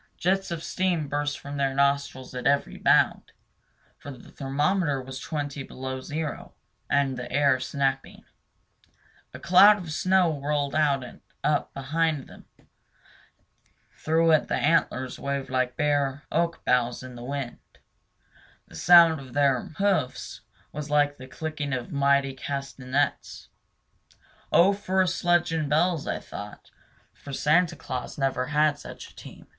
Jets of steam burst from their nostrils at every bound; for the thermometer was twenty below zero, and the air snapping. A cloud of snow whirled out and up behind them; through it the antlers waved like bare oak boughs in the wind; the sound of their hoofs was like the clicking of mighty castanets "Oh for a sledge and bells!" I thought; for Santa Claus never had such a team.